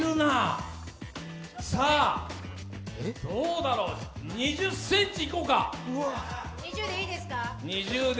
どうだろう、２０ｃｍいこうか。